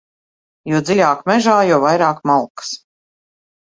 Jo dziļāk mežā, jo vairāk malkas.